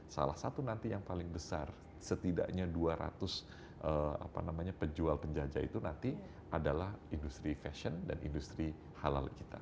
salah satu nanti yang paling besar setidaknya dua ratus penjual penjajah itu nanti adalah industri fashion dan industri halal kita